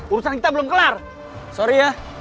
urusan harus time